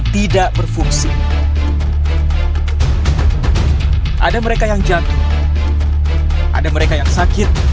tidak ada hal lain